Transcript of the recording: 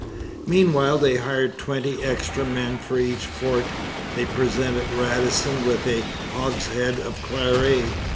Meanwhile they hired twenty extra men for each fort. They presented Radisson with a hogshead of claret.